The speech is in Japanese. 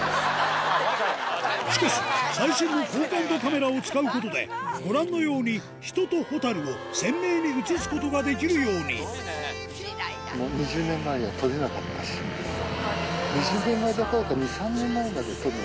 しかし最新の高感度カメラを使うことでご覧のように人とホタルを鮮明に写すことができるように２０年前どころか。